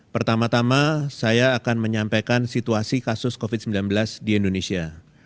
pertama tama saya akan menyampaikan situasi kasus covid sembilan belas di indonesia